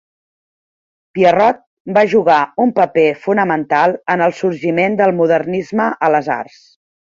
Pierrot va jugar un paper fonamental en el sorgiment del modernisme a les arts.